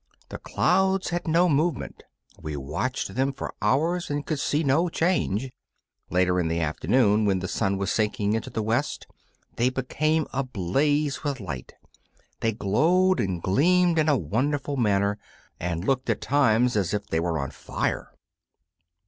The clouds had no movement; we watched them for hours and could see no change. Later in the afternoon, when the sun was sinking into the west, they became ablaze with light. They glowed and gleamed in a wonderful manner, and looked at times as if they were on fire!